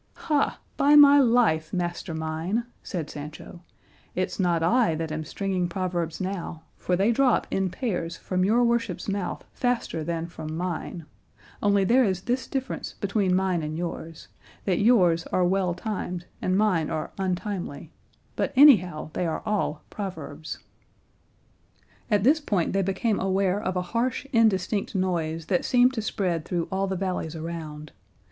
'" "Ha, by my life, master mine," said Sancho, "it's not I that am stringing proverbs now, for they drop in pairs from your worship's mouth faster than from mine; only there is this difference between mine and yours, that yours are well timed and mine are untimely; but anyhow, they are all proverbs." At this point they became aware of a harsh indistinct noise that seemed to spread through all the valleys around.